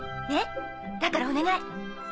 ねっだからお願い！